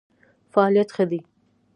فعالیت ښه دی.